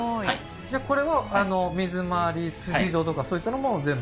じゃあこれは水回り水道とかそういったのも全部？